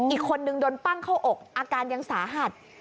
อีกคนนึงโดนปั้งเข้าอกอาการยังสาหัส